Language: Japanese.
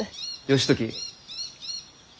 義時。